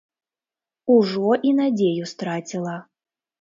Ужо і надзею страціла.